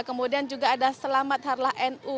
kemudian juga ada selamat harlah nu